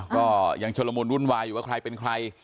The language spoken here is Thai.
ก็ยังชุลมุนวุ่นวายอยู่ว่าใครเป็นใคร